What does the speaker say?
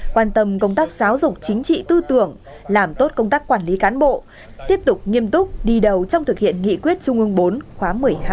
quan tâm công tác giáo dục chính trị tư tưởng làm tốt công tác quản lý cán bộ tiếp tục nghiêm túc đi đầu trong thực hiện nghị quyết trung ương bốn khóa một mươi hai